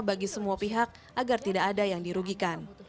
bagi semua pihak agar tidak ada yang dirugikan